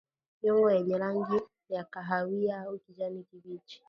Nyongo yenye rangi ya kahawia au kijani kibichi